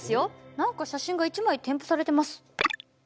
何か写真が１枚添付されてます。